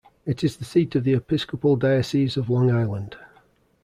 It is the seat of the Episcopal Diocese of Long Island.